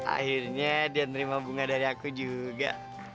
akhirnya dia terima bunga dari aku juga